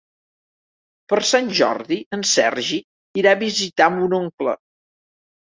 Per Sant Jordi en Sergi irà a visitar mon oncle.